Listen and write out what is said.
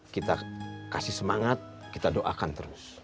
kita kasih semangat kita doakan terus